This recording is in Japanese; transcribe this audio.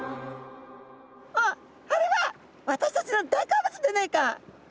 「あっあれは私たちの大好物でねえか」。